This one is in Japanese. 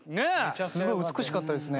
すごい美しかったですね。